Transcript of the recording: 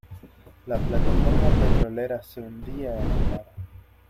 La plataforma petrolera se hundía en el mar.